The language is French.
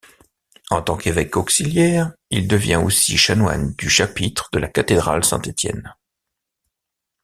En tant qu'évêque auxiliaire, il devient aussi chanoine du chapitre de la cathédrale Saint-Étienne.